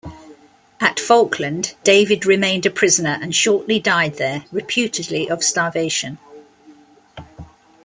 At Falkland David remained a prisoner and shortly died there, reputedly of starvation.